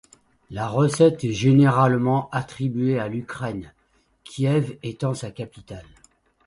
La recette est généralement attribuée à l’Ukraine, Kiev étant sa capitale.